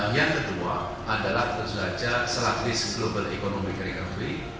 yang kedua adalah tentu saja strategis global economic recovery